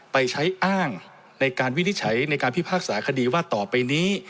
ไปใช้อ้างในการวินิจฉัยในการพิพากษาคดีว่าต่อไปนี้